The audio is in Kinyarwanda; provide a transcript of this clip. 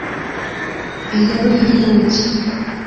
inkuru y’inkuke,